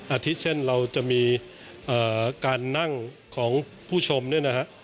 อาทิตย์เช่นเราจะมีการนั่งของผู้ชมเนี่ยนะฮะ